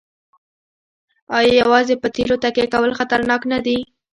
آیا یوازې په تیلو تکیه کول خطرناک نه دي؟